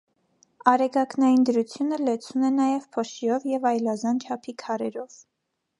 Արեգակնային դրութիւնը լեցուն է նաեւ փոշիով եւ այլազան չափի քարերով։